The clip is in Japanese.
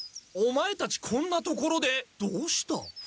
お前たちこんな所でどうした？